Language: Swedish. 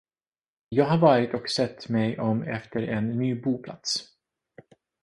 Jag har varit och sett mig om efter en ny boplats.